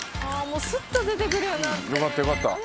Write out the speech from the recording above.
もうスッと出て来るようになって。